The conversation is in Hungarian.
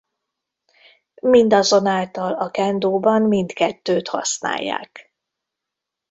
Mindazonáltal a kendóban mindkettőt használják.